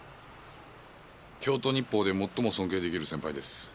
京都日報でもっとも尊敬出来る先輩です。